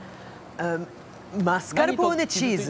マスカルポーネチーズ！